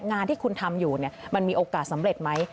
งานที่คุณทำอยู่มันมีโอกาสสำเร็จไหม